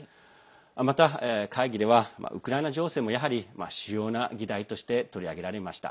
また、会議ではウクライナ情勢もやはり、主要な議題として取り上げられました。